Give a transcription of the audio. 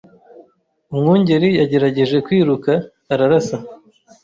Umwungeri yagerageje kwiruka ararasa. )